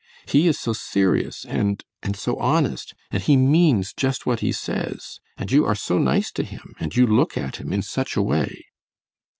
He is so serious and and so honest, and he means just what he says, and you are so nice to him, and you look at him in such a way!"